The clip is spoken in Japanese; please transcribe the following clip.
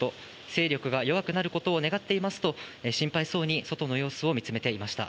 勢力が弱くなることを願っていますと、心配そうに外の様子を見つめていました。